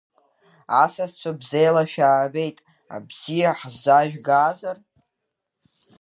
Асасцәа, бзела шәаабеит, абзиа ҳзаажәгазар!